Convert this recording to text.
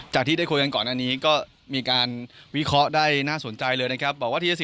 ที่ได้คุยกันก่อนอันนี้ก็มีการวิเคราะห์ได้น่าสนใจเลยนะครับ